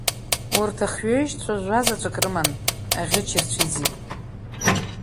Урҭ ахҩеишьцәа жә-заҵәык рман, аӷьыч ирцәиӡеит.